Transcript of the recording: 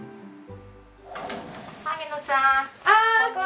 萩野さーん。